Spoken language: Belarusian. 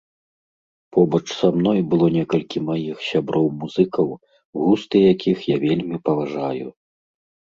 Побач са мной было некалькі маіх сяброў-музыкаў, густы якіх я вельмі паважаю.